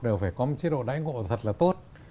đều phải có một chế độ đáy ngộ thật là tốt